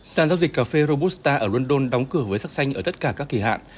sản giao dịch cà phê robusta ở london đóng cửa với sắc xanh ở tất cả các kỳ hạn